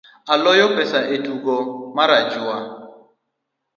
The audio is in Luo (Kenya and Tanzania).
Aloyo pesa etugo mare ajua.